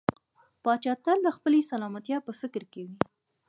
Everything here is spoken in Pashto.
پاچا تل د خپلې سلامتيا په فکر کې وي .